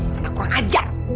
terima kasih banyak ibu